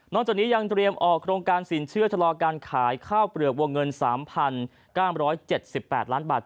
จากนี้ยังเตรียมออกโครงการสินเชื่อชะลอการขายข้าวเปลือกวงเงิน๓๙๗๘ล้านบาท